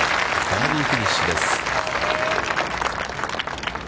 バーディーフィニッシュです。